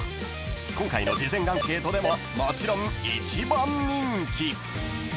［今回の事前アンケートでももちろん一番人気］